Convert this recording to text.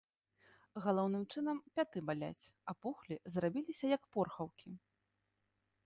Галоўным чынам пяты баляць, апухлі, зрабіліся як порхаўкі.